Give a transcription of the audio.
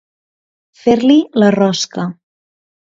Fer-li la rosca.